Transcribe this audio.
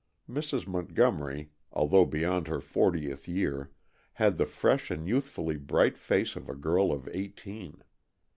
Mrs. Montgomery, although beyond her fortieth year, had the fresh and youthfully bright face of a girl of eighteen.